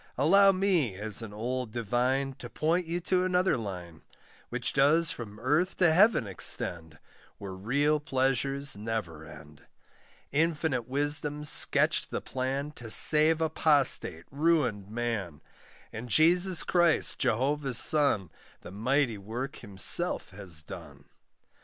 Allow me, as an old divine, To point you to another line, Which does from earth to heaven extend, Where real pleasures never end. Infinite wisdom sketched the plan To save apostate, ruined man; And Jesus Christ, Jehovah's son, The mighty work Himself has done.